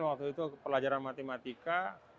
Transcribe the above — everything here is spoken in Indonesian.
waktu itu pelajaran matematika